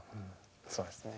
そうですね。